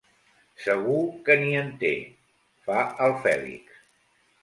Segur que ni en té —fa el Fèlix.